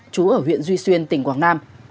trú ở huyện duy xuyên tỉnh quảng nam